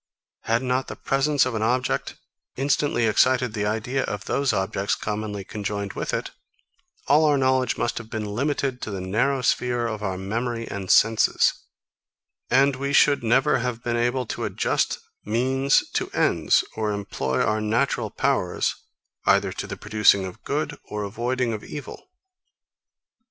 Had not the presence of an object, instantly excited the idea of those objects, commonly conjoined with it, all our knowledge must have been limited to the narrow sphere of our memory and senses; and we should never have been able to adjust means to ends, or employ our natural powers, either to the producing of good, or avoiding of evil.